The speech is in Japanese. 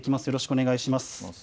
よろしくお願いします。